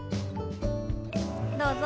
どうぞ。